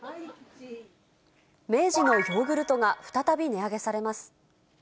明治のヨーグルトが再び値上げされます。